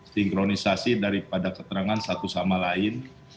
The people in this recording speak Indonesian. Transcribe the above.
sinkronisasi daripada keterangan satu sama lain